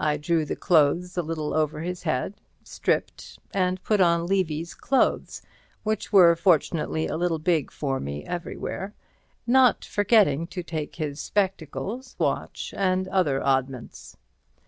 I drew the clothes a little over his head, stripped, and put on Levy's clothes, which were fortunately a little big for me everywhere, not forgetting to take his spectacles, watch and other oddments.